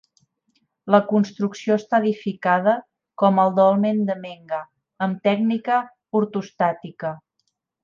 La construcció està edificada, com el dolmen de Menga, amb tècnica ortostàtica.